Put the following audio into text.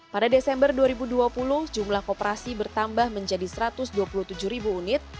pada desember dua ribu dua puluh jumlah kooperasi bertambah menjadi satu ratus dua puluh tujuh ribu unit